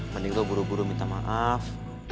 mending lo buru buru minta maaf